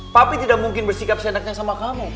tapi tidak mungkin bersikap seenaknya sama kamu